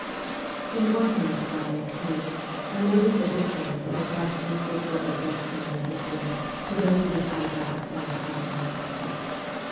In workmen's dwellings too, I noticed a difference in the questions which were addressed to me in England to those which I was asked on the Continent.